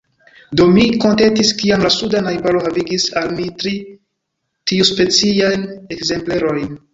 Do, mi kontentis, kiam la suda najbaro havigis al mi tri tiuspeciajn ekzemplerojn.